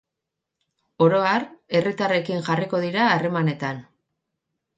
Oro har, herritarrekin jarriko dira harremanetan.